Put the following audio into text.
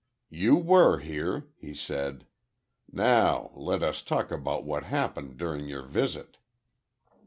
"You were here," he said. "Now let us talk about what happened during your visit."